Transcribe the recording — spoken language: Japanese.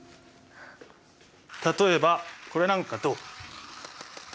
例えばこれなんかどう？